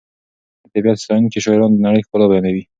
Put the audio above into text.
د طبیعت ستایونکي شاعران د نړۍ ښکلا بیانوي.